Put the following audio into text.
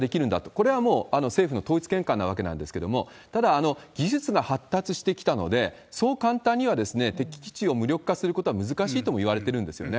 これはもう政府の統一見解なわけなんですけれども、ただ、技術が発達してきたので、そう簡単には敵基地を無力化することは難しいともいわれてるんですよね。